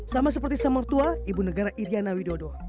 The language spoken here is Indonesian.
sama seperti samar tua ibu negara iryana widodo